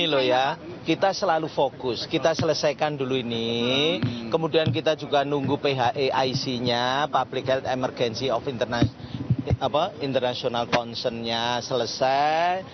ini loh ya kita selalu fokus kita selesaikan dulu ini kemudian kita juga nunggu phe ic nya public health emergency of international concern nya selesai